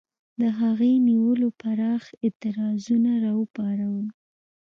د هغې نیولو پراخ اعتراضونه را وپارول.